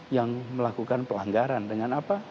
yang melakukan pelanggaran dengan apa